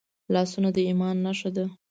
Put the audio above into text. لاسونه د ایمان نښه ده